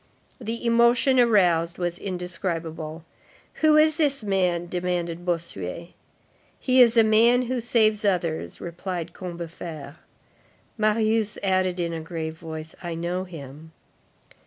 The emotion aroused was indescribable. "Who is this man?" demanded Bossuet. "He is a man who saves others," replied Combeferre. Marius added in a grave voice: "I know him."